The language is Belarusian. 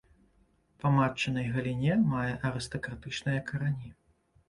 Па матчынай галіне мае арыстакратычныя карані.